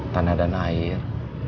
tanah dan air